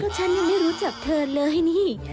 ความลับของแมวความลับของแมว